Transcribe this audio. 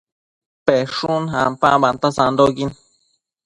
peshun ampambanta sandoquin